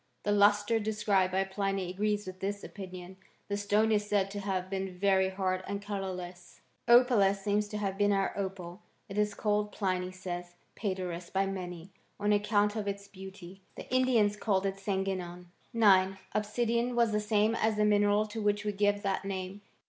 The lustre described by Pliny agrees with this opinion. The stone is said to have been very hard and colourless. 8. Opalus seems to have been our opal. It is called, Pliny says, pcederos by many, on account of its beauty. The Indians called it sangenon, 9. Obsidian was the same as the mineral to which we give that name.